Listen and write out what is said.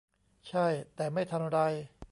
ใช่ แต่ไม่ทันไร